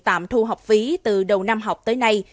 tạm thu học phí từ đầu năm học tới nay